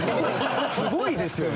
すごいですよね！